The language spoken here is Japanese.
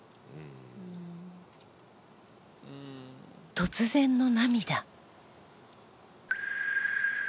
突然の涙。